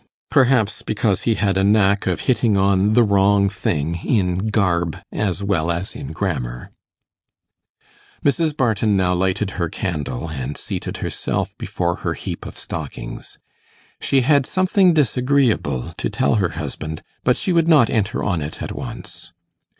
Perhaps because he had a knack of hitting on the wrong thing in garb as well as in grammar. Mrs. Barton now lighted her candle, and seated herself before her heap of stockings. She had something disagreeable to tell her husband, but she would not enter on it at once.